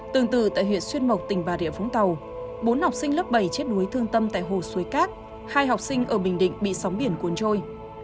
tương tự tại huyện xuyên mộc tỉnh bà rịa vũng tàu bốn học sinh lớp bảy chết đuối thương tâm tại hồ suối cát hai học sinh ở bình định bị sóng biển cuốn trôi